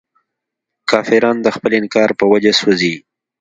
کافران د خپل انکار په وجه سوځي.